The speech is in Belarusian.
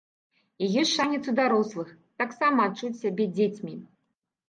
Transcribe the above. І ёсць шанец у дарослых таксама адчуць сябе дзецьмі.